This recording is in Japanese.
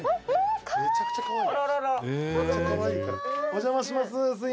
「お邪魔します。